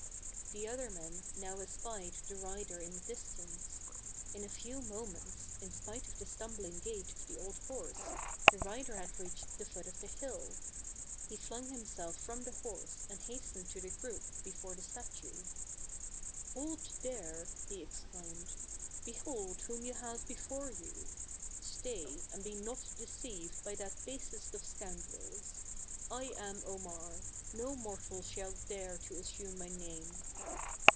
The other men now espied the rider in the dis tance. In a few moments, in spite of the stum bling gait of the old horse, the rider had reached the foot of the hill. He flung himself from the horse and hastened to the group before the statue. "Hold there," he exclaimed; "behold whom you have before you. Stay, and be not deceived by that basest of scoundrels. I am Omar ; no mortal shall dare to asume my name